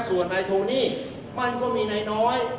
ส่วนนายโทนี่มั่นว่ามีนายน้อย